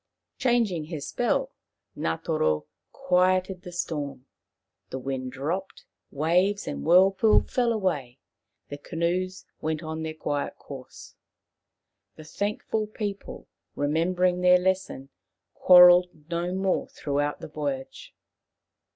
Changing his spell, Ngatoro quietened the storm. The wind dropped, waves and whirl pool fell away, the canoes went on their quiet course. The thankful people, remembering their lesson, quarrelled no more throughout the voyage.